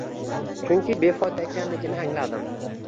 Chunki befoyda ekanligini angladim’